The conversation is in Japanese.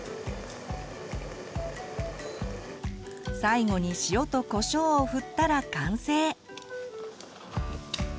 最後に塩とこしょうをふったら完成。